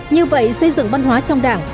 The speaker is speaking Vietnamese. như vậy xây dựng văn hóa trong đảng